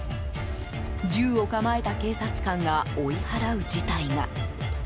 銃を構えた警察官が追い払う事態が。